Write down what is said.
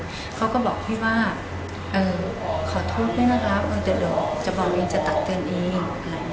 แล้วพี่ก็บอกพี่ว่าขอโทษพี่นะครับแต่เดี๋ยวจะบอกไว้ในสถานการณ์เอง